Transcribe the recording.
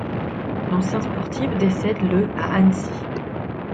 L'ancien sportif décède le à Annecy.